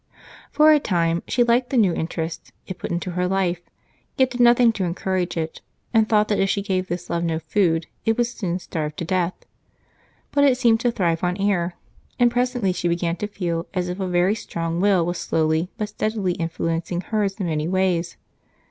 For a time she liked the new interest it put into her life, yet did nothing to encourage it and thought that if she gave this love no food it would soon starve to death. But it seemed to thrive on air, and presently she began to feel as if a very strong will was slowly but steadily influencing her in many ways.